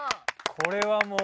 これはもう。